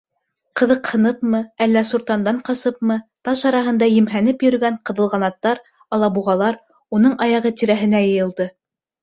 Ҡыҙыҡһыныпмы, әллә суртандан ҡасыпмы таш араһында емһәнеп йөрөгән ҡыҙылғанаттар, алабуғалар уның аяғы тирәһенә йыйылды.